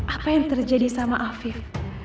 apa yang terjadi sama afif